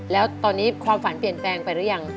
แล้วตอนนี้ความฝันเปลี่ยนแปลงไปหรือยัง